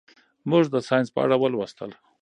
موږ د ساینس په اړه ولوستل.